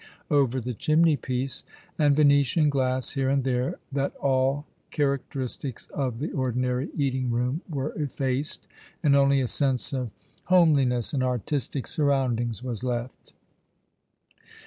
over the chimney piece, and Vene tian glass here and there, that all characteristics of the ordinary eating room were effaced, and only a sense of home liness and artistic surroundings was left.